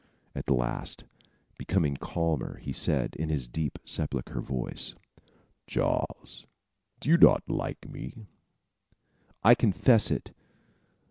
At last, becoming calmer, he said, in his deep sepulchral voice: "Charles, you do not like me?" "I confess it."